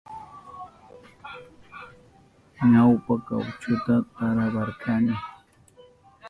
Ñawpa kawchuta tarawarkani.